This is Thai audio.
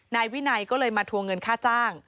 นายวินัยก็เลยมาทวงเงินค่าจ้าง